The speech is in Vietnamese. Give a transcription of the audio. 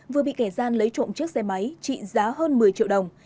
vừa bị kẻ gian lấy trộm chiếc xe máy trị giá hơn một mươi triệu đồng